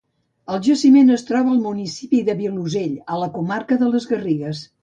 El jaciment es troba al municipi del Vilosell, a la comarca de Les Garrigues.